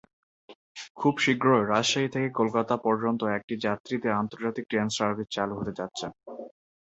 খুব শীঘ্রই রাজশাহী থেকে কোলকাতা পর্যন্ত একটি যাত্রীদের আন্তর্জাতিক ট্রেন সার্ভিস চালু হতে যাচ্ছে।